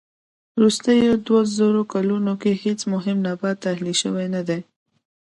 وروستيو دووزرو کلونو کې هېڅ مهم نبات اهلي شوی نه دي.